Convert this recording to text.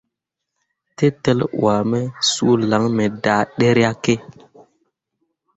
Tetel wuah me suu lan me daa ɗeryakke.